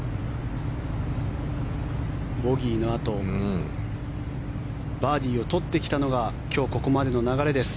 ボギーのあとバーディーを取ってきたのが今日、ここまでの流れです。